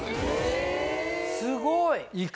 すごい！